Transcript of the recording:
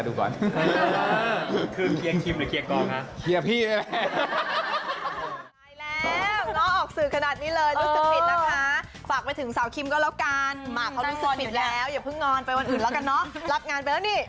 เดี๋ยวไปเคียร์ดูก่อน